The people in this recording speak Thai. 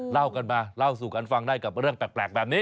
เล่ากันมาเล่าสู่กันฟังได้กับเรื่องแปลกแบบนี้